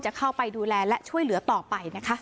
เข้าไปดูแลและช่วยเหลือต่อไปนะคะ